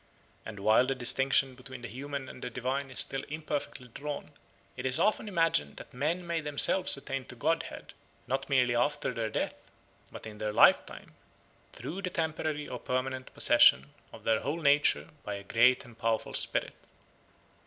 And while the distinction between the human and the divine is still imperfectly drawn, it is often imagined that men may themselves attain to godhead, not merely after their death, but in their lifetime, through the temporary or permanent possession of their whole nature by a great and powerful spirit.